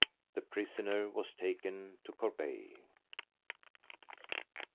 The prisoner was taken to Corbeil.